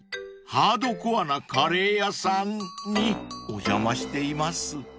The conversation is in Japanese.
［ハードコアなカレー屋さん？にお邪魔しています］